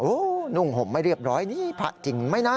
โอ้โหนุ่งห่มไม่เรียบร้อยนี่พระจริงไหมนะ